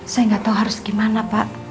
saya nggak tahu harus gimana pak